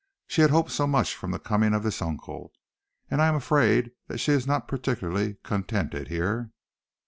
She had hoped so much from the coming of this uncle, and I am afraid that she is not particularly contented here."